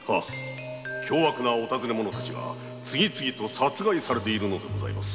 凶悪なお尋ね者たちが次々と殺害されているのです